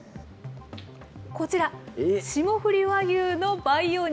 こちら、霜降り和牛の培養肉。